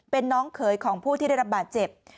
เป็นน้องเขยของผู้ที่ได้รับบาดเจ็บ